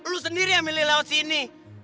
lo sendiri yang milih lewat sini